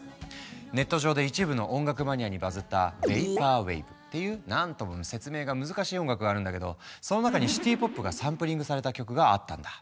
ネット上で一部の音楽マニアにバズったっていう何とも説明が難しい音楽があるんだけどその中にシティ・ポップがサンプリングされた曲があったんだ。